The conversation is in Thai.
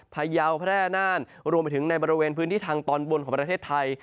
พยาวแพร่น่านรวมไปถึงในบริเวณพื้นที่ทางตอนบนของประเทศไทย